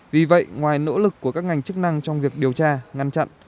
vì vậy ngoài nỗ lực của các ngành chức năng trong việc điều tra ngăn chặn